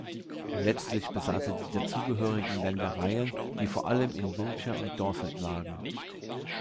Letztlich besaß er die dazugehörenden Ländereien, die vor allem in Wiltshire und Dorset lagen.